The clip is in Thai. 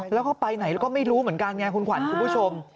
แล้วก็ไปไหนแล้วก็ไม่รู้เหมือนกันไงคุณขวัญคุณผู้ชม